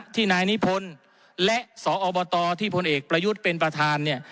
นายนิพนธ์และสอบตที่พลเอกประยุทธ์เป็นประธานเนี่ย